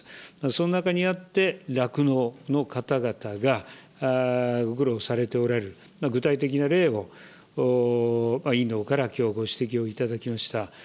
その中にあって、酪農の方々がご苦労されておられる、具体的な例を委員のほうからきょうご指摘をいただきました。